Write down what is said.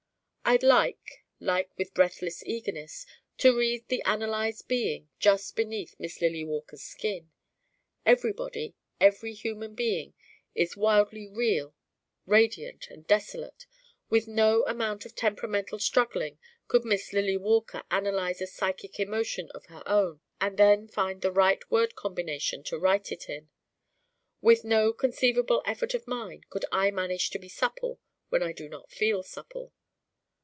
I'd like like with breathless eagerness to read the analyzed being just beneath Miss Lily Walker's skin. Everybody every human being is wildly Real: radiant and desolate. With no amount of temperamental struggling could Miss Lily Walker analyze a psychic emotion of her own and then find the right word combination to write it in. With no conceivable effort of mine could I manage to be supple when I do not feel supple.